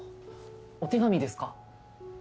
お手紙ですか？